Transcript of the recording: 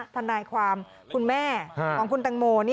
ทนายความคุณแม่ของคุณตังโม